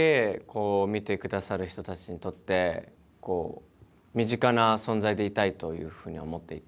こう見てくださる人たちにとって身近な存在でいたいというふうには思っていて。